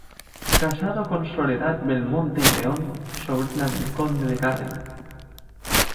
Casado con Soledad Belmonte y León, sobrina del conde de Cárdenas.